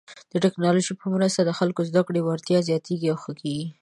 د ټکنالوژۍ په مرسته د خلکو د زده کړې وړتیاوې زیاتېږي او ښه کیږي.